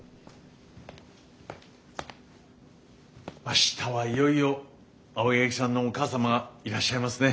明日はいよいよ青柳さんのお母様がいらっしゃいますね。